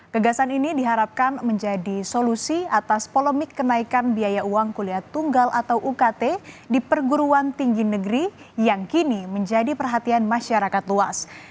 kegagasan ini diharapkan menjadi solusi atas polemik kenaikan biaya uang kuliah tunggal atau ukt di perguruan tinggi negeri yang kini menjadi perhatian masyarakat luas